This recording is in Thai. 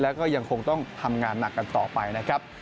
แล้วก็ยังคงต้องทำงานหนักกันต่อไปนะครับ